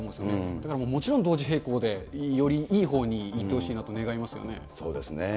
だからもうもちろん同時並行でよりいいほうに行ってほしいと願いそうですね。